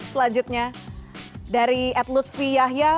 selanjutnya dari ed lutfi yahya